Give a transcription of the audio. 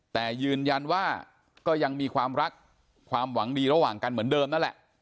แต่ยืนยันว่าก็ยังมีความรักความหวังดีระหว่างกันเหมือนเดิมนั่นแหละ